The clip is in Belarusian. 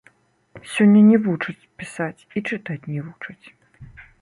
Сёння не вучаць пісаць, і чытаць не вучаць.